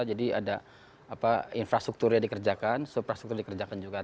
jadi ada infrastrukturnya dikerjakan infrastruktur dikerjakan juga